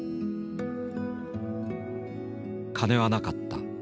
金はなかった。